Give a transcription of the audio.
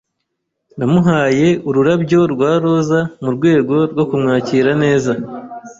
Namuhaye ururabyo rwa roza mu rwego rwo kumwakira neza.